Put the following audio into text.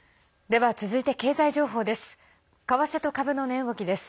では続いて経済情報です。